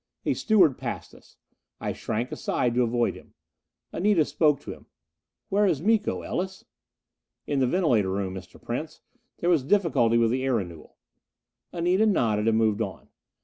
A steward passed us. I shrank aside to avoid him. Anita spoke to him. "Where is Miko, Ellis?" "In the ventilator room, Mr. Prince. There was difficulty with the air renewal." Anita nodded, and moved on.